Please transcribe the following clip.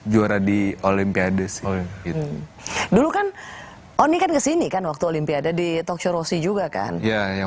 juara di olimpiade dulu kan onikan kesini kan waktu olimpiade di toksurosi juga kan iya yang